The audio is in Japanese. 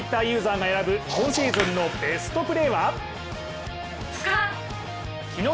Ｔｗｉｔｔｅｒユーザーが選ぶ今シーズンのベストプレーは？